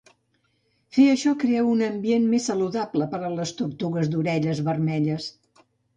Fer això crea un ambient més saludable per a les tortugues d'orelles vermelles.